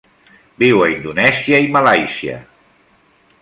Viu a Indonèsia i Malàisia.